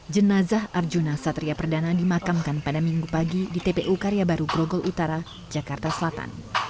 jenazah arjuna satria perdana dimakamkan pada minggu pagi di tpu karya baru grogol utara jakarta selatan